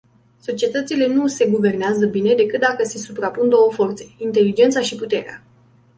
Societățile nu se guvernează bine decât dacă se suprapun două forțe: inteligența și puterea.